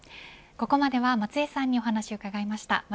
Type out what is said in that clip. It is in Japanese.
ここまでは松江さんにお話を伺いました。